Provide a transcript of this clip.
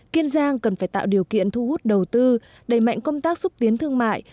kiên giang cần phải tạo điều kiện thu hút đầu tư đẩy mạnh công tác xúc tiến thương mại